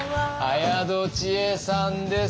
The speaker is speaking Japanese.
綾戸智恵さんです。